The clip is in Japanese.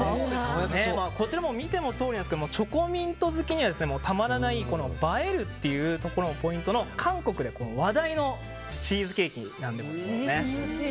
こちらもう見てのとおりですがチョコミント好きにはたまらない映えるというところがポイントの韓国で話題のチーズケーキです。